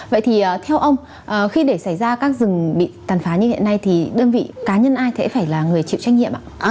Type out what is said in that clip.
vậy thì theo ông khi để xảy ra các rừng bị tàn phá như hiện nay thì đơn vị cá nhân ai sẽ phải là người chịu trách nhiệm ạ